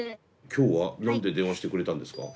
今日は何で電話してくれたんですか？